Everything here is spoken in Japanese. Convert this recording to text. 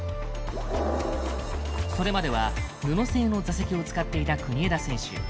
それまでは布製の座席を使っていた国枝選手。